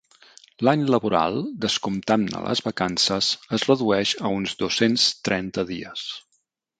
L'any laboral, descomptant-ne les vacances, es redueix a uns dos-cents trenta dies.